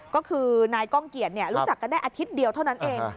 ก็คือนายก้องเกียจรู้จักกันได้อาทิตย์เดียวเท่านั้นเอง